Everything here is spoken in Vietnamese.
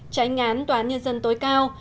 trái ngán tòa nhân dân tối cao